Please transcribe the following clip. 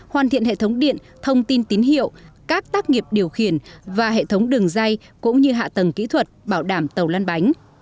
hoàn thiện hệ thống điện thông tin tín hiệu các tác nghiệp điều khiển và hệ thống đường dây cũng như hạ tầng kỹ thuật bảo đảm tàu lăn bánh